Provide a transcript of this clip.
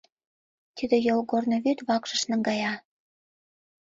Тиде йолгорно вӱд вакшыш наҥгая.